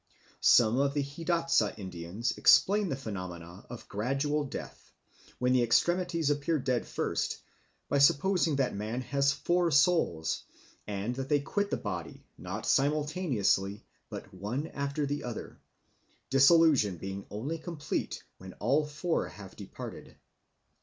Some of the Hidatsa Indians explain the phenomena of gradual death, when the extremities appear dead first, by supposing that man has four souls, and that they quit the body, not simultaneously, but one after the other, dissolution being only complete when all four have departed.